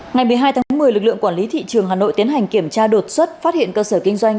ngày một mươi hai tháng một mươi lực lượng quản lý thị trường hà nội tiến hành kiểm tra đột xuất phát hiện cơ sở kinh doanh